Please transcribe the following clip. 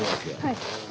はい。